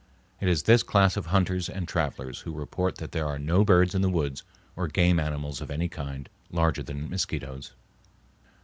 It is this class of hunters and travelers who report that there are "no birds in the woods or game animals of any kind larger than mosquitoes."